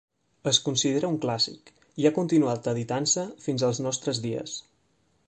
Es considera un clàssic i ha continuant editant-se fins als nostres dies.